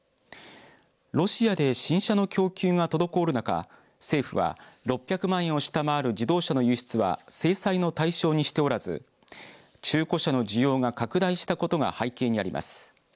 ロシアで新車の供給が滞る中政府は６００万円を下回る自動車の輸出は制裁の対象にしておらず中古車の需要が拡大したことが背景にあります。